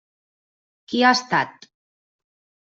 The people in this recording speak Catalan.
Qui ha estat?